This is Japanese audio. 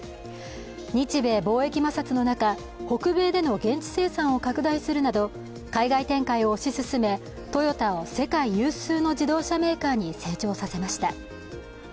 日米貿易摩擦の中、北米での現地生産を拡大するなど海外展開を推し進めトヨタを世界有数の自動車メーカーに成長させました。